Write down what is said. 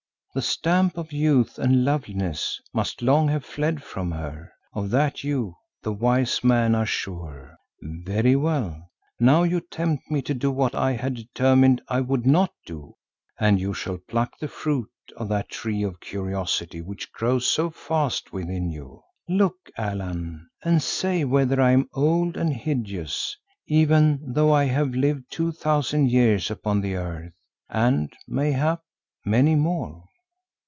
The stamp of youth and loveliness must long have fled from her; of that you, the wise man, are sure. Very well. Now you tempt me to do what I had determined I would not do and you shall pluck the fruit of that tree of curiosity which grows so fast within you. Look, Allan, and say whether I am old and hideous, even though I have lived two thousand years upon the earth and mayhap many more."